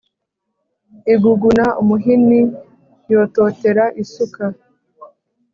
Iguguna umuhini yototera isuka.